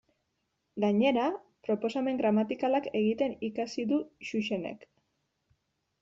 Gainera, proposamen gramatikalak egiten ikasi du Xuxenek.